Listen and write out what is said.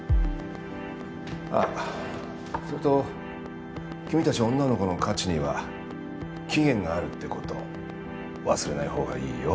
あっそれと君たち女の子の価値には期限があるってこと忘れない方がいいよ。